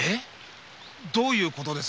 どういうことです？